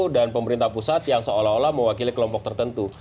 dan pemerintah pusat yang seolah olah mewakili kelompok tertentu